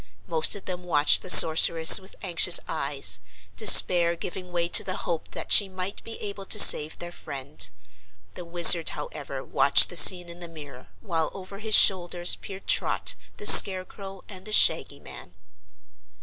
Most of them watched the Sorceress with anxious eyes, despair giving way to the hope that she might be able to save their friend. The Wizard, however, watched the scene in the mirror, while over his shoulders peered Trot, the Scarecrow and the Shaggy Man.